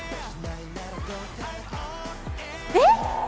えっ？